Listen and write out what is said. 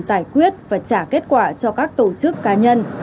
giải quyết và trả kết quả cho các tổ chức cá nhân